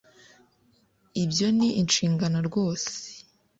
ibyo ni inshingano rwose